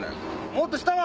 もっとしたわ！